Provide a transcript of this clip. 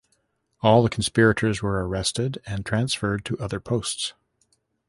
All the conspirators were arrested and transferred to other posts.